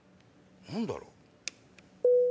何だろう？